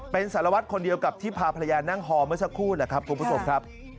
เป็นสารวัตรคนเดียวกับที่พาภรรยานั่งฮอเมื่อสักครู่แหละครับคุณผู้ชมครับ